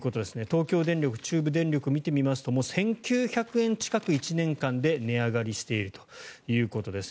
東京電力、中部電力を見てみますと１９００円近く１年間で値上がりしているということです。